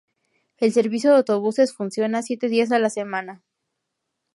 El servicio de autobuses funciona siete días a la semana.